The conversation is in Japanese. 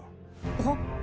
はっ？